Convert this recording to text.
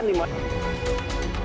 itu adalah syarat penaklukan dimana